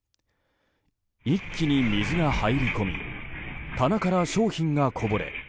一気に水が入り込み棚から商品がこぼれ